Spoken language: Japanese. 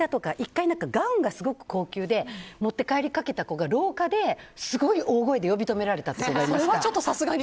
１回ガウンがすごく高級で持って帰りかけた子が廊下ですごい大声で呼び止められた子がいました。